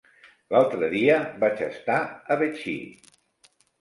L'altre dia vaig estar a Betxí.